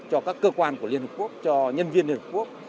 cho các cơ quan của liên hợp quốc cho nhân viên liên hợp quốc